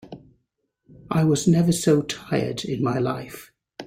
I was never so tired in my life.